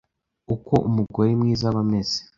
uko umugore mwiza aba ameze,